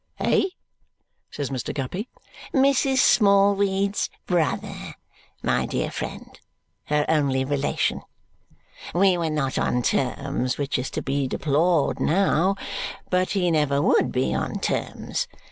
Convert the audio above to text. "Eh?" says Mr. Guppy. "Mrs. Smallweed's brother, my dear friend her only relation. We were not on terms, which is to be deplored now, but he never WOULD be on terms.